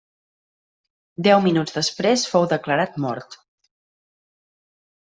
Deu minuts després fou declarat mort.